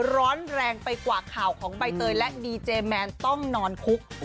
ร้อนแรงไปกว่าข่าวของใบเตยและดีเจแมนต้องนอนคุก